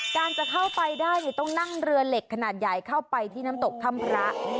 การจะเข้าไปได้ต้องนั่งเรือเหล็กขนาดใหญ่เข้าไปที่น้ำตกถ้ำพระ